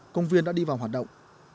công viên đã đi vào hoạt động